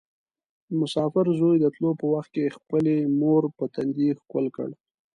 مسافر زوی د تلو په وخت کې خپلې مور په تندي ښکل کړ.